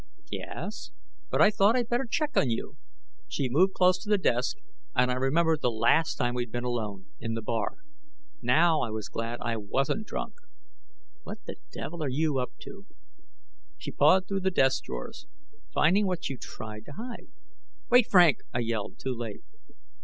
"Yes, but I thought I'd better check on you." She moved close to the desk, and I remembered the last time we'd been alone, in the bar. Now I was glad I wasn't drunk. "What the devil are you up to?" She pawed through the desk drawers. "Finding what you tried to hide " "Wait, Frank!" I yelled, too late.